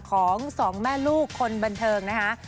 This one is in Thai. ของสองแม่ลูกคนบันเทิงนะคะ